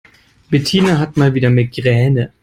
Bettina hat mal wieder Migräne.